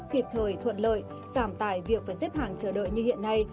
kịp thời thuận lợi giảm tài việc phải xếp hàng chờ đợi như hiện nay